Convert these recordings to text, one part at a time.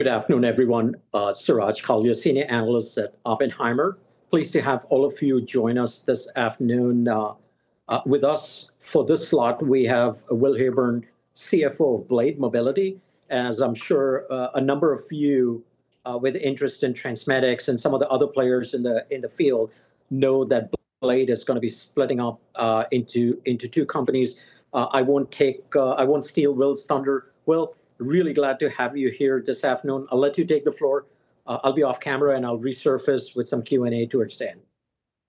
Good afternoon, everyone. Suraj Kalia, Senior Analyst at Oppenheimer. Pleased to have all of you join us this afternoon. With us for this slot, we have Will Heyburn, CFO of Blade Air Urban Mobility. As I'm sure a number of you with interest in Transmedics and some of the other players in the field know, Blade is going to be splitting up into two companies. I won't steal Will's thunder. Will, really glad to have you here this afternoon. I'll let you take the floor. I'll be off camera and I'll resurface with some Q&A towards the end.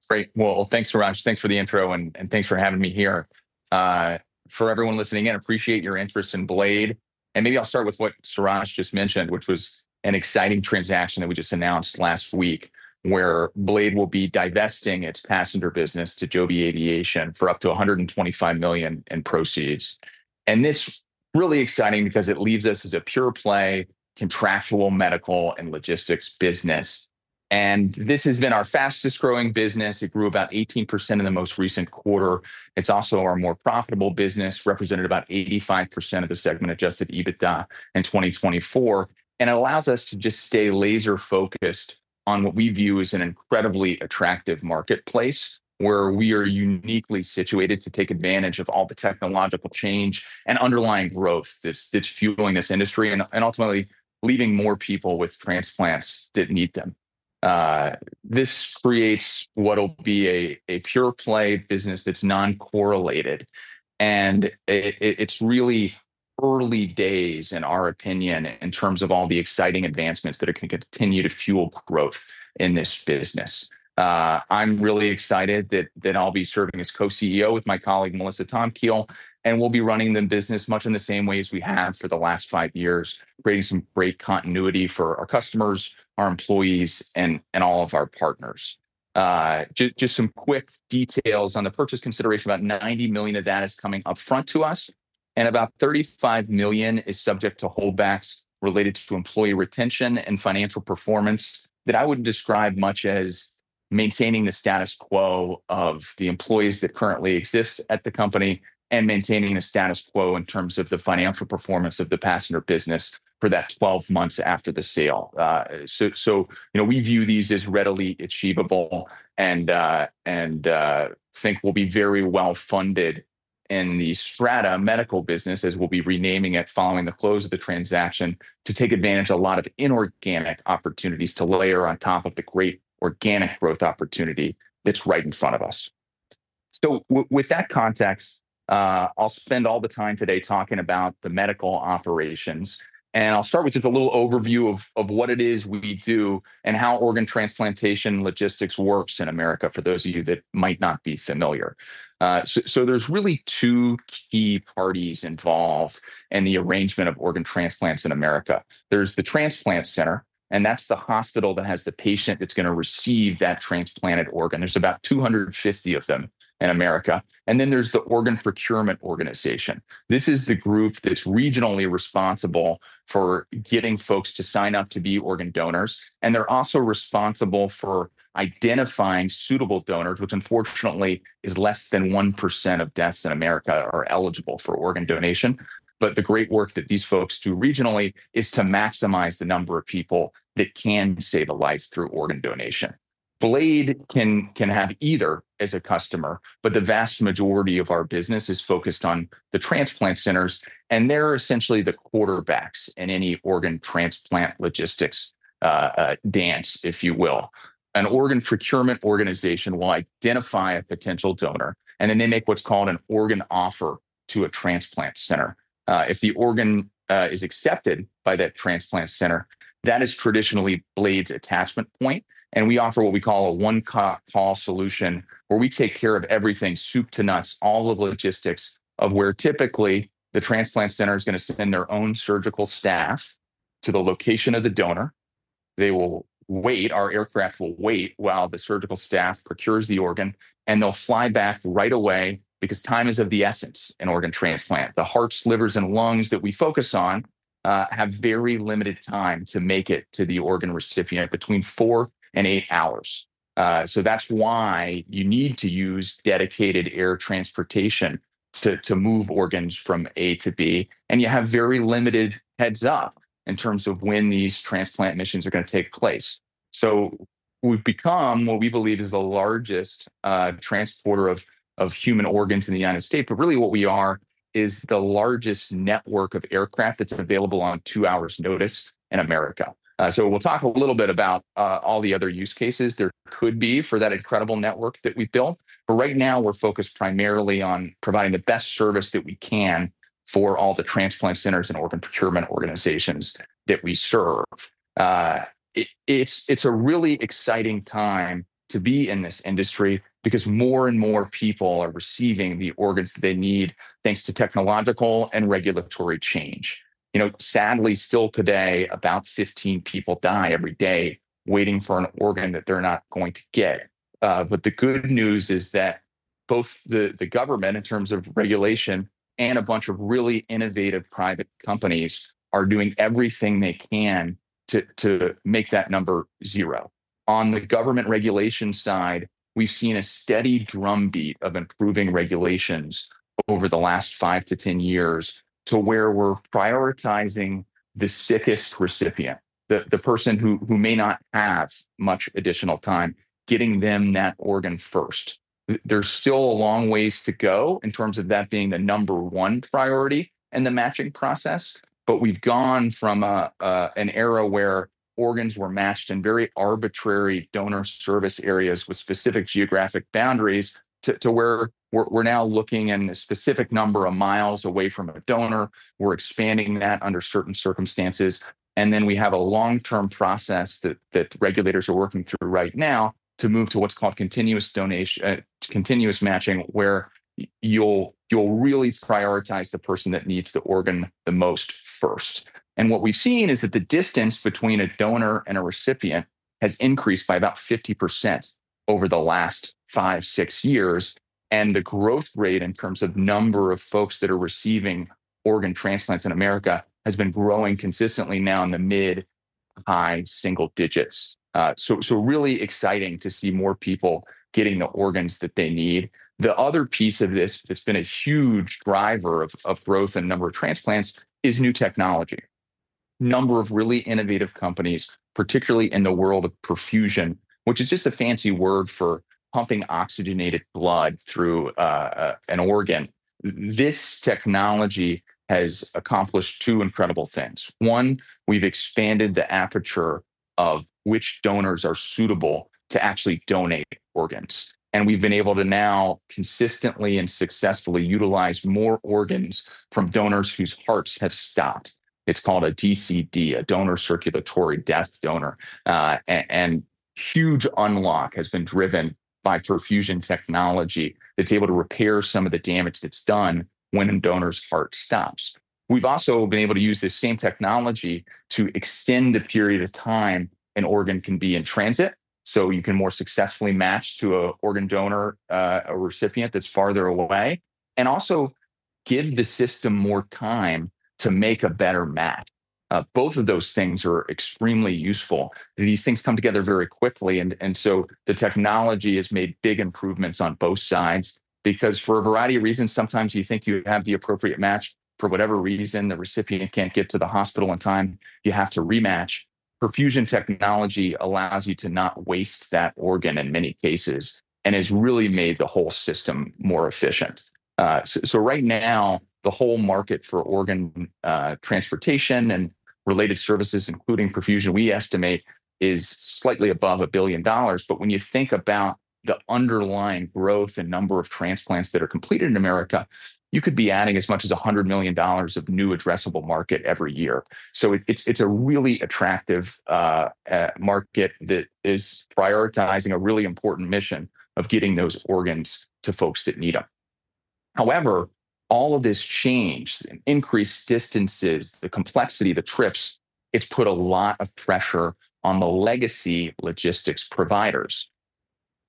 Great. Thanks, Suraj. Thanks for the intro and thanks for having me here. For everyone listening in, I appreciate your interest in Blade. Maybe I'll start with what Suraj just mentioned, which was an exciting transaction that we just announced last week, where Blade will be divesting its passenger business to Joby Aviation for up to $125 million in proceeds. This is really exciting because it leaves us as a pure play contractual medical and logistics business. This has been our fastest growing business. It grew about 18% in the most recent quarter. It's also our more profitable business, represented about 85% of the segment adjusted EBITDA in 2024. It allows us to stay laser focused on what we view as an incredibly attractive marketplace where we are uniquely situated to take advantage of all the technological change and underlying growth that's fueling this industry and ultimately leaving more people with transplants that need them. This creates what will be a pure play business that's non-correlated. It's really early days in our opinion in terms of all the exciting advancements that are going to continue to fuel growth in this business. I'm really excited that I'll be serving as Co-CEO with my colleague Melissa Tomkiel, and we'll be running the business much in the same way as we have for the last five years, creating some great continuity for our customers, our employees, and all of our partners. Just some quick details on the purchase consideration. About $90 million of that is coming upfront to us, and about $35 million is subject to holdbacks related to employee retention and financial performance that I would describe much as maintaining the status quo of the employees that currently exist at the company and maintaining the status quo in terms of the financial performance of the passenger business for that 12 months after the sale. We view these as readily achievable and think we'll be very well funded in the Strata Critical Medical business, as we'll be renaming it following the close of the transaction to take advantage of a lot of inorganic opportunities to layer on top of the great organic growth opportunity that's right in front of us. With that context, I'll spend all the time today talking about the medical operations. I'll start with just a little overview of what it is we do and how organ transplantation logistics works in America for those of you that might not be familiar. There are really two key parties involved in the arrangement of organ transplants in America. There's the transplant center, and that's the hospital that has the patient that's going to receive that transplanted organ. There are about 250 of them in America. Then there's the organ procurement organization. This is the group that's regionally responsible for getting folks to sign up to be organ donors. They're also responsible for identifying suitable donors, which unfortunately is less than 1% of deaths in America are eligible for organ donation. The great work that these folks do regionally is to maximize the number of people that can save a life through organ donation. Blade can have either as a customer, but the vast majority of our business is focused on the transplant centers. They're essentially the quarterbacks in any organ transplant logistics dance, if you will. An organ procurement organization will identify a potential donor, and then they make what's called an organ offer to a transplant center. If the organ is accepted by that transplant center, that is traditionally Blade attachment point. We offer what we call a one-call solution where we take care of everything, soup to nuts, all the logistics of where typically the transplant center is going to send their own surgical staff to the location of the donor. They will wait. Our aircraft will wait while the surgical staff procures the organ, and they'll fly back right away because time is of the essence in organ transplant. The hearts, livers, and lungs that we focus on have very limited time to make it to the organ recipient, between four and eight hours. That's why you need to use dedicated air transportation to move organs from A to B. You have very limited heads up in terms of when these transplant missions are going to take place. We have become what we believe is the largest transporter of human organs in the United States. What we are is the largest network of aircraft that's available on two hours' notice in America. We will talk a little bit about all the other use cases there could be for that incredible network that we built. Right now, we're focused primarily on providing the best service that we can for all the transplant centers and organ procurement organizations that we serve. It's a really exciting time to be in this industry because more and more people are receiving the organs that they need thanks to technological and regulatory change. Sadly, still today, about 15 people die every day waiting for an organ that they're not going to get. The good news is that both the government, in terms of regulation, and a bunch of really innovative private companies are doing everything they can to make that number zero. On the government regulation side, we've seen a steady drumbeat of improving regulations over the last 5-10 years to where we're prioritizing the sickest recipient, the person who may not have much additional time, getting them that organ first. There's still a long way to go in terms of that being the number one priority and the matching process. We've gone from an era where organs were matched in very arbitrary donor service areas with specific geographic boundaries to where we're now looking in a specific number of miles away from a donor. We're expanding that under certain circumstances. We have a long-term process that regulators are working through right now to move to what's called continuous donation, continuous matching, where you'll really prioritize the person that needs the organ the most first. What we've seen is that the distance between a donor and a recipient has increased by about 50% over the last five, six years. The growth rate in terms of the number of folks that are receiving organ transplants in the America has been growing consistently now in the mid-high single digits. Really exciting to see more people getting the organs that they need. The other piece of this that's been a huge driver of growth in the number of transplants is new technology. A number of really innovative companies, particularly in the world of perfusion, which is just a fancy word for pumping oxygenated blood through an organ. This technology has accomplished two incredible things. One, we've expanded the aperture of which donors are suitable to actually donate organs. We've been able to now consistently and successfully utilize more organs from donors whose hearts have stopped. It's called a DCD, a donor circulatory death donor, and a huge unlock has been driven by perfusion technology that's able to repair some of the damage that's done when a donor's heart stops. We've also been able to use the same technology to extend the period of time an organ can be in transit. You can more successfully match to an organ donor, a recipient that's farther away, and also give the system more time to make a better match. Both of those things are extremely useful. These things come together very quickly, and the technology has made big improvements on both sides because for a variety of reasons, sometimes you think you have the appropriate match. For whatever reason, the recipient can't get to the hospital in time, you have to rematch. Perfusion technology allows you to not waste that organ in many cases and has really made the whole system more efficient. Right now, the whole market for organ transportation and related services, including perfusion, we estimate is slightly above $1 billion. When you think about the underlying growth in the number of transplants that are completed in the America, you could be adding as much as $100 million of new addressable market every year. It's a really attractive market that is prioritizing a really important mission of getting those organs to folks that need them. However, all of this change, the increased distances, the complexity of the trips, has put a lot of pressure on the legacy logistics providers.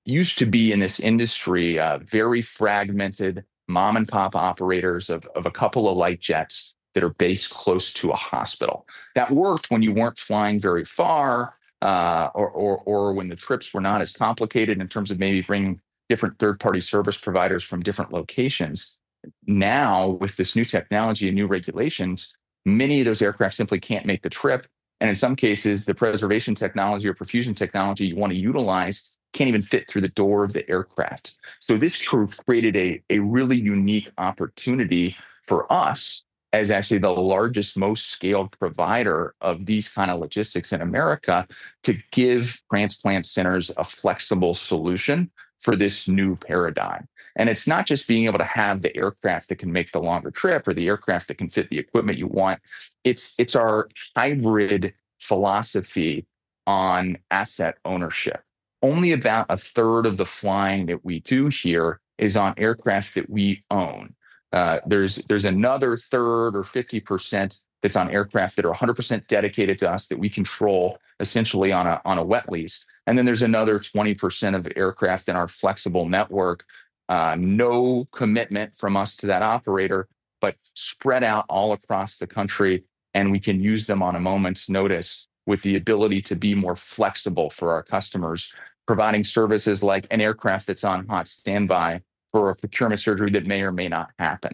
It used to be in this industry, very fragmented mom-and-pop operators of a couple of light jets that are based close to a hospital. That worked when you weren't flying very far, or when the trips were not as complicated in terms of maybe bringing different third-party service providers from different locations. Now, with this new technology and new regulations, many of those aircraft simply can't make the trip. In some cases, the preservation technology or perfusion technology you want to utilize can't even fit through the door of the aircraft. This created a really unique opportunity for us as actually the largest, most scaled provider of these kinds of logistics in the America to give transplant centers a flexible solution for this new paradigm. It's not just being able to have the aircraft that can make the longer trip or the aircraft that can fit the equipment you want. It's our hybrid philosophy on asset ownership. Only about a third of the flying that we do here is on aircraft that we own. There's another third or 50% that's on aircraft that are 100% dedicated to us that we control essentially on a wet lease. There is another 20% of aircraft in our flexible network. No commitment from us to that operator, but spread out all across the country. We can use them on a moment's notice with the ability to be more flexible for our customers, providing services like an aircraft that's on hot standby for a procurement surgery that may or may not happen.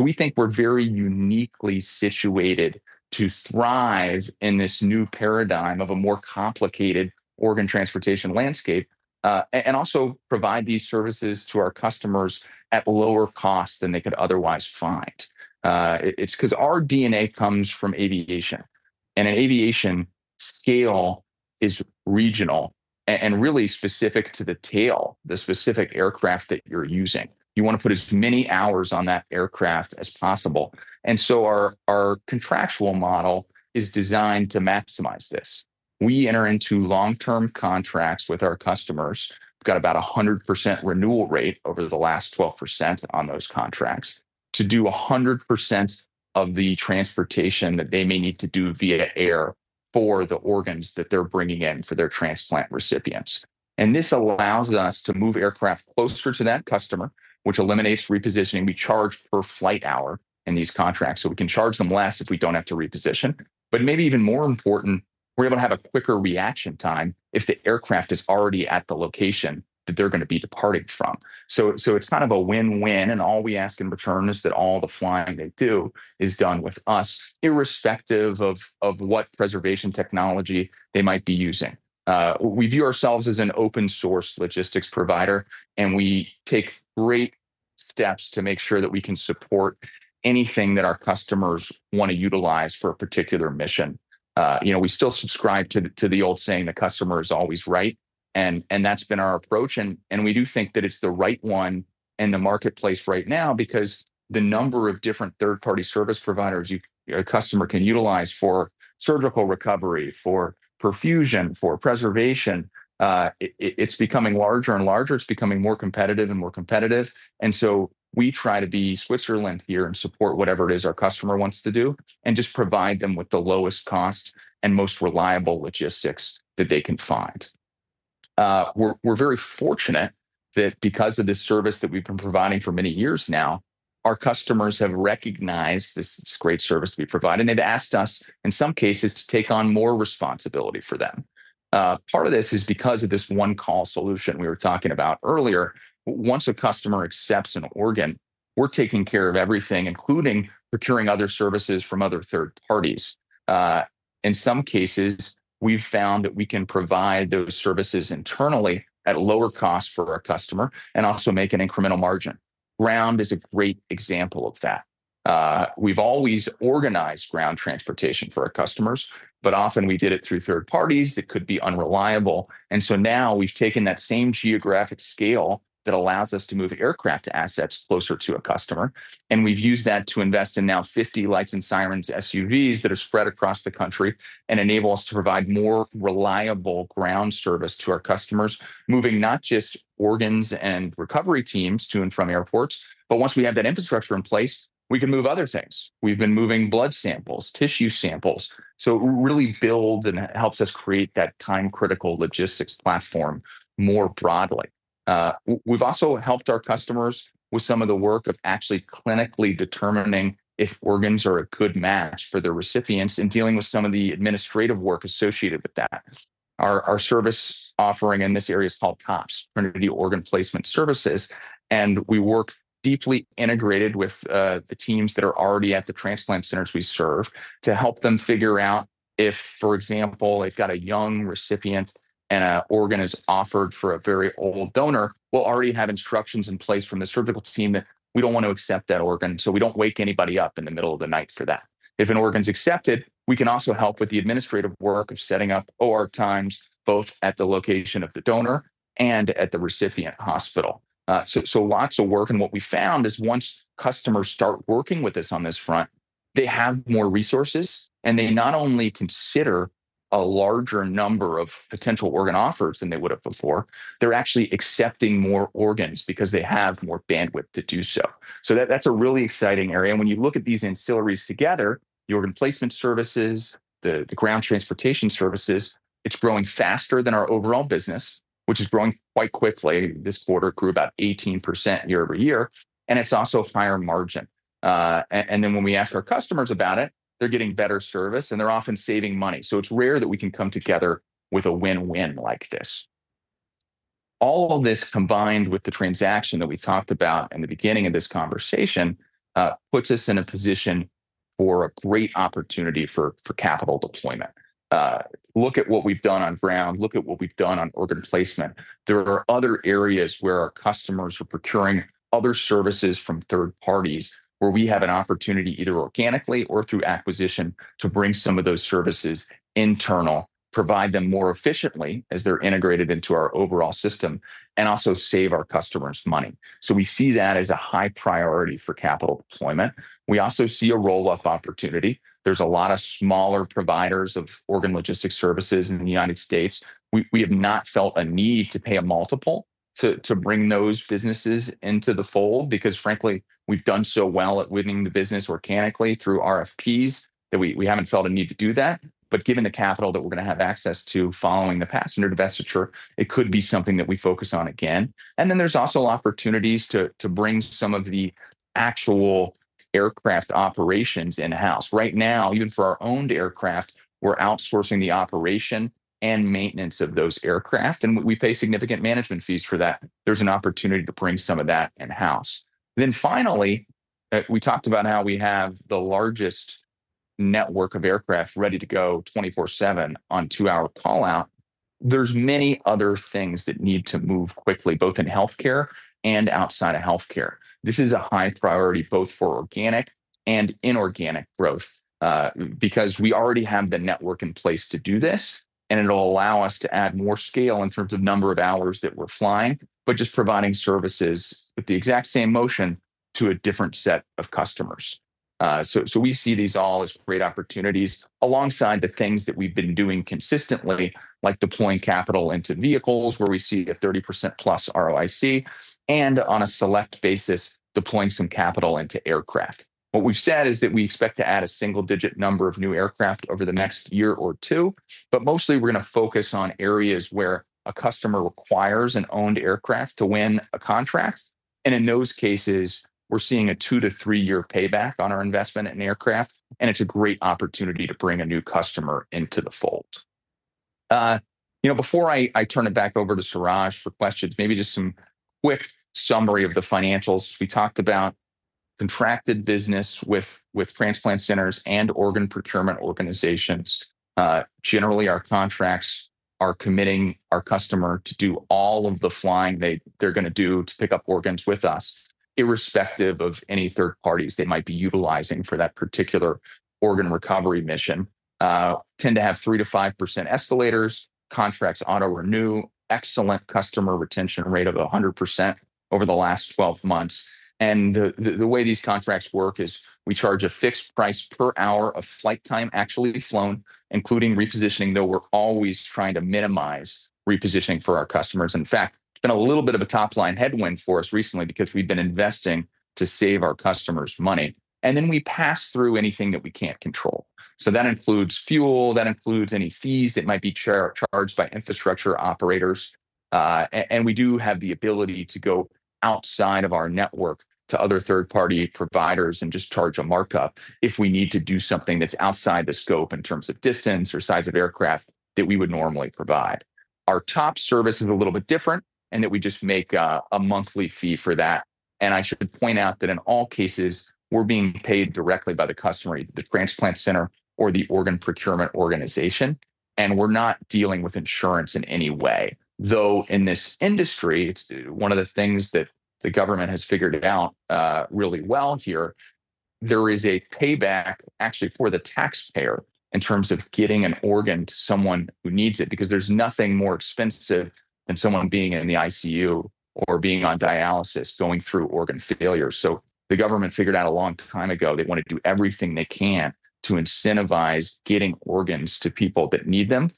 We think we're very uniquely situated to thrive in this new paradigm of a more complicated organ transportation landscape, and also provide these services to our customers at lower costs than they could otherwise find. It's because our DNA comes from aviation. Aviation scale is regional and really specific to the tail, the specific aircraft that you're using. You want to put as many hours on that aircraft as possible. Our contractual model is designed to maximize this. We enter into long-term contracts with our customers. We've got about a 100% renewal rate over the last 12% on those contracts to do 100% of the transportation that they may need to do via air for the organs that they're bringing in for their transplant recipients. This allows us to move aircraft closer to that customer, which eliminates repositioning. We charge per flight hour in these contracts, so we can charge them less if we don't have to reposition. Maybe even more important, we're able to have a quicker reaction time if the aircraft is already at the location that they're going to be departing from. It's kind of a win-win. All we ask in return is that all the flying they do is done with us, irrespective of what preservation technology they might be using. We view ourselves as an open-source logistics provider, and we take great steps to make sure that we can support anything that our customers want to utilize for a particular mission. We still subscribe to the old saying the customer is always right. That's been our approach. We do think that it's the right one in the marketplace right now because the number of different third-party service providers a customer can utilize for surgical recovery, for perfusion, for preservation, it's becoming larger and larger. It's becoming more competitive and more competitive. We try to be Switzerland here and support whatever it is our customer wants to do and just provide them with the lowest cost and most reliable logistics that they can find. We're very fortunate that because of this service that we've been providing for many years now, our customers have recognized this great service we provide, and they've asked us in some cases to take on more responsibility for them. Part of this is because of this one-call solution we were talking about earlier. Once a customer accepts an organ, we're taking care of everything, including procuring other services from other third parties. In some cases, we've found that we can provide those services internally at a lower cost for our customer and also make an incremental margin. Ground is a great example of that. We've always organized ground transportation for our customers, but often we did it through third parties that could be unreliable. Now we've taken that same geographic scale that allows us to move aircraft assets closer to a customer, and we've used that to invest in now 50 lights and sirens SUVs that are spread across the country and enable us to provide more reliable ground service to our customers, moving not just organs and recovery teams to and from airports, but once we have that infrastructure in place, we can move other things. We've been moving blood samples, tissue samples. It really builds and helps us create that time-critical logistics platform more broadly. We've also helped our customers with some of the work of actually clinically determining if organs are a good match for their recipients and dealing with some of the administrative work associated with that. Our service offering in this area is called Trinity Organ Placement Services, TOPS. We work deeply integrated with the teams that are already at the transplant centers we serve to help them figure out if, for example, they've got a young recipient and an organ is offered for a very old donor, we'll already have instructions in place from the surgical team that we don't want to accept that organ, so we don't wake anybody up in the middle of the night for that. If an organ is accepted, we can also help with the administrative work of setting up OR times both at the location of the donor and at the recipient hospital. Lots of work. What we found is once customers start working with us on this front, they have more resources, and they not only consider a larger number of potential organ offers than they would have before, they're actually accepting more organs because they have more bandwidth to do so. That's a really exciting area. When you look at these ancillaries together, the organ placement services and the ground transportation services, it's growing faster than our overall business, which is growing quite quickly. This quarter it grew about 18% year-over-year, and it's also a higher margin. When we ask our customers about it, they're getting better service and they're often saving money. It's rare that we can come together with a win-win like this. All of this, combined with the transaction that we talked about in the beginning of this conversation, puts us in a position for a great opportunity for capital deployment. Look at what we've done on ground. Look at what we've done on organ placement. There are other areas where our customers are procuring other services from third parties where we have an opportunity, either organically or through acquisition, to bring some of those services internal, provide them more efficiently as they're integrated into our overall system, and also save our customers money. We see that as a high priority for capital deployment. We also see a roll-off opportunity. There are a lot of smaller providers of organ logistics services in the United States. We have not felt a need to pay a multiple to bring those businesses into the fold because, frankly, we've done so well at winning the business organically through RFPs that we haven't felt a need to do that. Given the capital that we're going to have access to following the passenger divestiture, it could be something that we focus on again. There are also opportunities to bring some of the actual aircraft operations in-house. Right now, even for our owned aircraft, we're outsourcing the operation and maintenance of those aircraft, and we pay significant management fees for that. There's an opportunity to bring some of that in-house. Finally, we talked about how we have the largest network of aircraft ready to go 24/7 on two-hour callout. There are many other things that need to move quickly, both in healthcare and outside of healthcare. This is a high priority both for organic and inorganic growth, because we already have the network in place to do this. It will allow us to add more scale in terms of the number of hours that we're flying, but just providing services with the exact same motion to a different set of customers. We see these all as great opportunities alongside the things that we've been doing consistently, like deploying capital into vehicles where we see a 30%+ ROIC and on a select basis, deploying some capital into aircraft. What we've said is that we expect to add a single-digit number of new aircraft over the next year or two, but mostly we're going to focus on areas where a customer requires an owned aircraft to win a contract. In those cases, we're seeing a two to three-year payback on our investment in aircraft. It's a great opportunity to bring a new customer into the fold. Before I turn it back over to Suraj for questions, maybe just some quick summary of the financials. We talked about contracted business with transplant centers and organ procurement organizations. Generally, our contracts are committing our customer to do all of the flying they're going to do to pick up organs with us, irrespective of any third parties they might be utilizing for that particular organ recovery mission. These tend to have 3%-5% escalators. Contracts auto-renew. Excellent customer retention rate of 100% over the last 12 months. The way these contracts work is we charge a fixed price per hour of flight time actually flown, including repositioning, though we're always trying to minimize repositioning for our customers. In fact, it's been a little bit of a top-line headwind for us recently because we've been investing to save our customers money. We pass through anything that we can't control. That includes fuel. That includes any fees that might be charged by infrastructure operators. We do have the ability to go outside of our network to other third-party providers and just charge a markup if we need to do something that's outside the scope in terms of distance or size of aircraft that we would normally provide. Our top service is a little bit different in that we just make a monthly fee for that. I should point out that in all cases, we're being paid directly by the customer, the transplant center, or the organ procurement organization. We're not dealing with insurance in any way. In this industry, it's one of the things that the government has figured out really well here. There is a payback actually for the taxpayer in terms of getting an organ to someone who needs it because there's nothing more expensive than someone being in the ICU or being on dialysis going through organ failure. The government figured out a long time ago they want to do everything they can to incentivize getting organs to people that need them.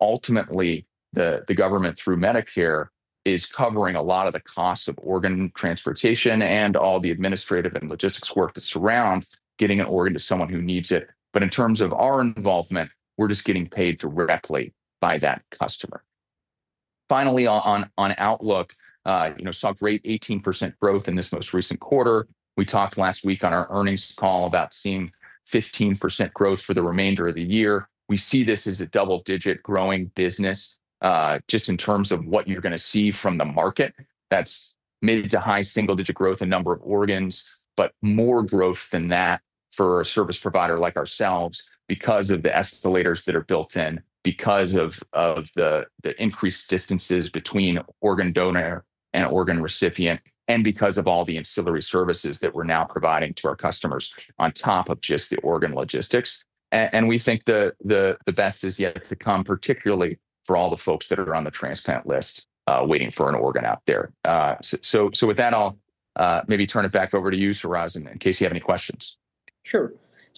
Ultimately, the government through Medicare is covering a lot of the costs of organ transportation and all the administrative and logistics work that surrounds getting an organ to someone who needs it. In terms of our involvement, we're just getting paid directly by that customer. Finally, on outlook saw great 18% growth in this most recent quarter. We talked last week on our earnings call about seeing 15% growth for the remainder of the year. We see this as a double-digit growing business, just in terms of what you're going to see from the market. That's mid to high single-digit growth in the number of organs, but more growth than that for a service provider like ourselves because of the escalators that are built in, because of the increased distances between organ donor and organ recipient, and because of all the ancillary services that we're now providing to our customers on top of just the organ logistics. We think the best is yet to come, particularly for all the folks that are on the transplant list waiting for an organ out there. With that, I'll maybe turn it back over to you, Suraj, in case you have any questions. Sure.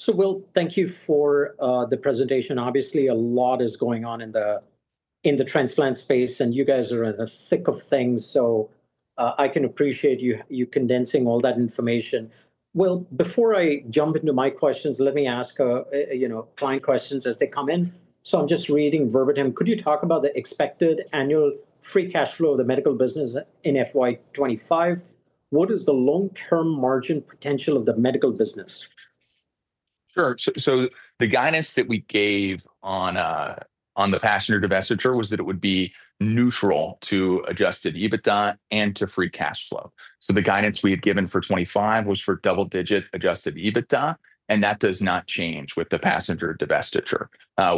Will, thank you for the presentation. Obviously, a lot is going on in the transplant space, and you guys are in the thick of things. I can appreciate you condensing all that information. Before I jump into my questions, let me ask client questions as they come in. I'm just reading verbatim. Could you talk about the expected annual free cash flow of the medical business in FY2025? What is the long-term margin potential of the medical business? Sure. The guidance that we gave on the passenger divestiture was that it would be neutral to adjusted EBITDA and to free cash flow. The guidance we had given for 2025 was for double-digit adjusted EBITDA, and that does not change with the passenger divestiture.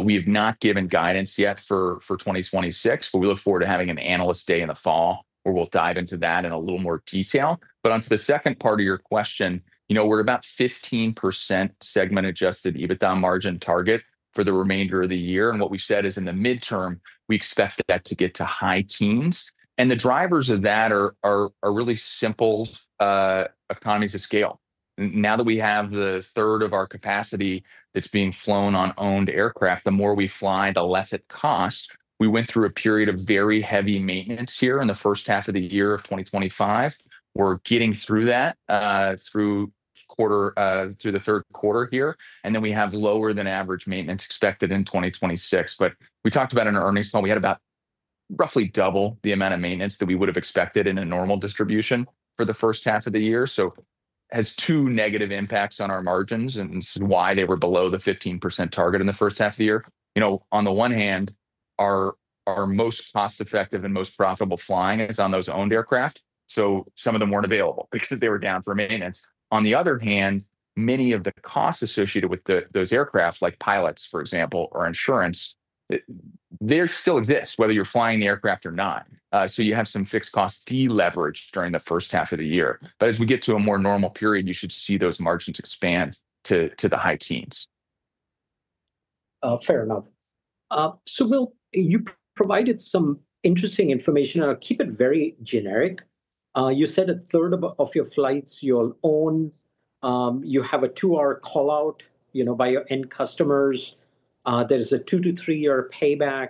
We have not given guidance yet for 2026. We look forward to having an analyst day in the fall where we'll dive into that in a little more detail. Onto the second part of your question, we're about 15% segment-adjusted EBITDA margin target for the remainder of the year. What we said is in the midterm, we expect that to get to high teens. The drivers of that are really simple, economies of scale. Now that we have a third of our capacity that's being flown on owned aircraft, the more we fly, the less it costs. We went through a period of very heavy maintenance here in the first half of the year of 2025. We're getting through that, through the third quarter here, and then we have lower than average maintenance expected in 2026. We talked about in our earnings call, we had about roughly double the amount of maintenance that we would have expected in a normal distribution for the first half of the year. It has two negative impacts on our margins and why they were below the 15% target in the first half of the year. On the one hand, our most cost-effective and most profitable flying is on those owned aircraft, so some of them weren't available because they were down for maintenance. On the other hand, many of the costs associated with those aircraft, like pilots, for example, or insurance, still exist whether you're flying the aircraft or not. You have some fixed costs deleveraged during the first half of the year. As we get to a more normal period, you should see those margins expand to the high teens. Fair enough. Will, you provided some interesting information. I'll keep it very generic. You said a third of your flights you'll own. You have a two-hour callout by your end customers. There's a two to three-year payback.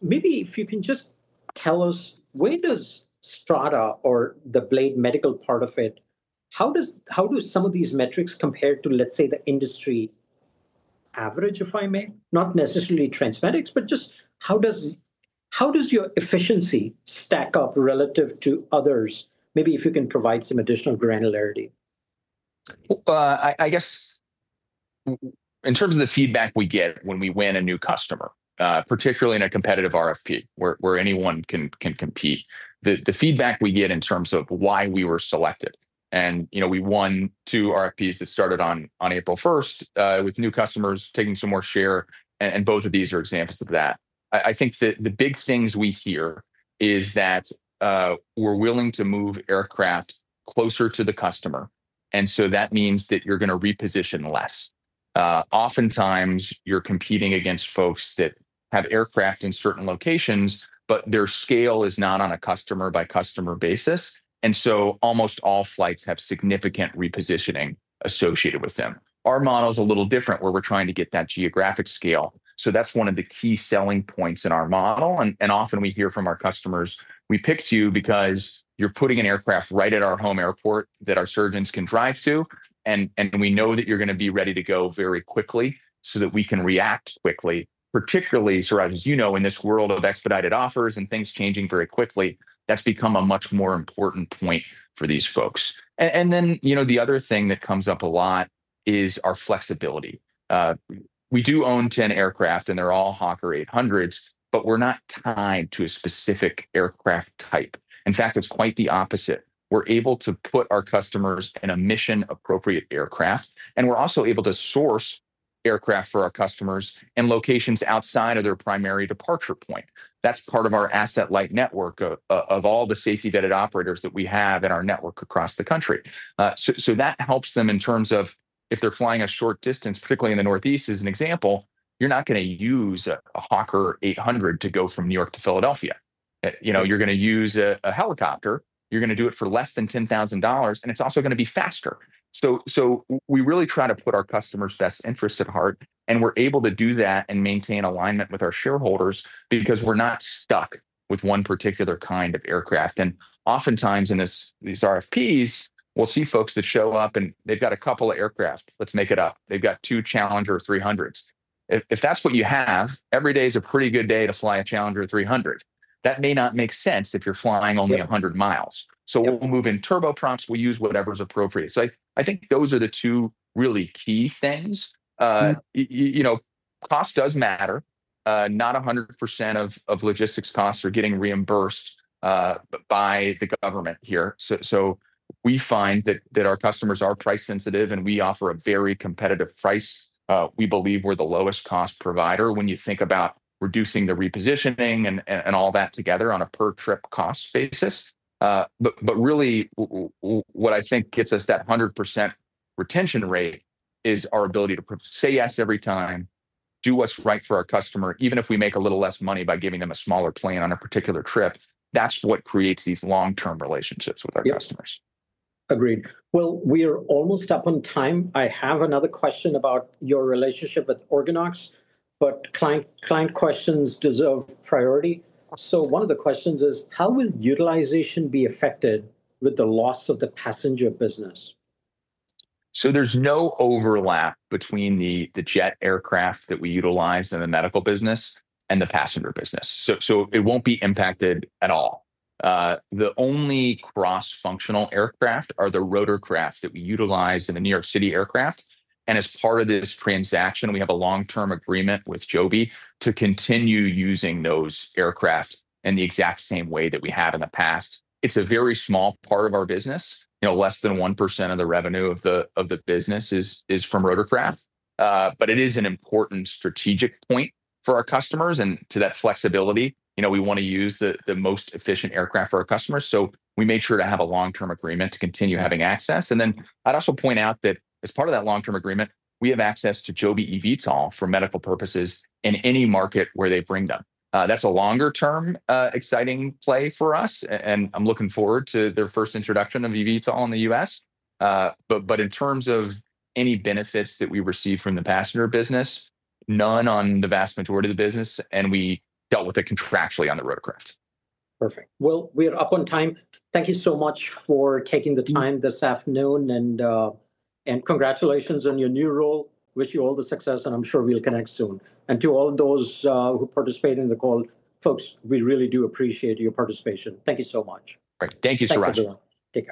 Maybe if you can just tell us where does Strata or the Blade Medical part of it, how do some of these metrics compare to, let's say, the industry average, if I may? Not necessarily Transmedics, but just how does your efficiency stack up relative to others? Maybe if you can provide some additional granularity. I guess in terms of the feedback we get when we win a new customer, particularly in a competitive RFP where anyone can compete, the feedback we get in terms of why we were selected. We won two RFPs that started on April 1st with new customers taking some more share. Both of these are examples of that. I think that the big things we hear are that we're willing to move aircraft closer to the customer. That means that you're going to reposition less. Oftentimes, you're competing against folks that have aircraft in certain locations, but their scale is not on a customer-by-customer basis. Almost all flights have significant repositioning associated with them. Our model is a little different where we're trying to get that geographic scale. That's one of the key selling points in our model. Often we hear from our customers, "We picked you because you're putting an aircraft right at our home airport that our surgeons can drive to. We know that you're going to be ready to go very quickly so that we can react quickly." Particularly, Suraj, as you know, in this world of expedited offers and things changing very quickly, that's become a much more important point for these folks. The other thing that comes up a lot is our flexibility. We do own 10 aircraft, and they're all Hawker 800s, but we're not tied to a specific aircraft type. In fact, it's quite the opposite. We're able to put our customers in a mission-appropriate aircraft. We're also able to source aircraft for our customers in locations outside of their primary departure point. That's part of our asset-light network of all the safety-vetted operators that we have in our network across the country. That helps them in terms of if they're flying a short distance, particularly in the Northeast, as an example, you're not going to use a Hawker 800 to go from New York to Philadelphia. You're going to use a helicopter. You're going to do it for less than $10,000. It's also going to be faster. We really try to put our customers' best interests at heart. We're able to do that and maintain alignment with our shareholders because we're not stuck with one particular kind of aircraft. Oftentimes in these RFPs, we'll see folks that show up and they've got a couple of aircraft. Let's make it up. They've got two Challenger 300s. If that's what you have, every day is a pretty good day to fly a Challenger 300. That may not make sense if you're flying only 100 miles. We move in turboprops and use whatever's appropriate. I think those are the two really key things. Cost does matter. Not 100% of logistics costs are getting reimbursed by the government here. We find that our customers are price sensitive, and we offer a very competitive price. We believe we're the lowest cost provider when you think about reducing the repositioning and all that together on a per-trip cost basis. What really gets us that 100% retention rate is our ability to say yes every time and do what's right for our customer, even if we make a little less money by giving them a smaller plane on a particular trip. That's what creates these long-term relationships with our customers. Agreed. We are almost up on time. I have another question about your relationship with OrganOx, but client questions deserve priority. One of the questions is, how will utilization be affected with the loss of the passenger business? There is no overlap between the jet aircraft that we utilize in the medical business and the passenger business. It won't be impacted at all. The only cross-functional aircraft are the rotorcraft that we utilize in the New York City aircraft. As part of this transaction, we have a long-term agreement with Joby to continue using those aircraft in the exact same way that we have in the past. It's a very small part of our business, less than 1% of the revenue of the business is from rotorcraft, but it is an important strategic point for our customers. To that flexibility, we want to use the most efficient aircraft for our customers. We made sure to have a long-term agreement to continue having access. I'd also point out that as part of that long-term agreement, we have access to Joby eVTOL for medical purposes in any market where they bring them. That's a longer-term exciting play for us. I'm looking forward to their first introduction of eVTOL in the U.S. In terms of any benefits that we receive from the passenger business, none on the vast majority of the business. We dealt with it contractually on the rotorcraft. Perfect. We are up on time. Thank you so much for taking the time this afternoon, and congratulations on your new role. Wish you all the success. I'm sure we'll connect soon. To all those who participated in the call, folks, we really do appreciate your participation. Thank you so much. All right. Thank you, Suraj. Thank you, Will.